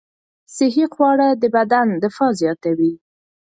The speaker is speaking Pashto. صحي خواړه د بدن دفاع زیاتوي.